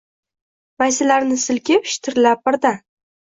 Maysalarni silkib, shitirlab birdan